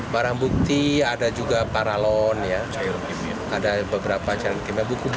barang bukti ada juga paralon ada beberapa cara